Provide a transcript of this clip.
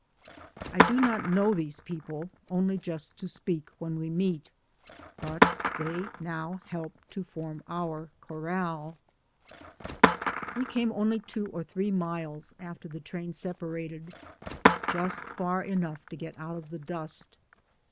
I do not know these people, only just to speak when we meet, but they now help to form our corral. We came only two or three miles after the train separated, just far enough to get out of the dust.